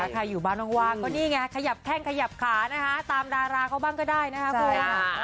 ใครอยู่บ้านว่างก็นี่ไงขยับแข้งขยับขานะคะตามดาราเขาบ้างก็ได้นะคะคุณ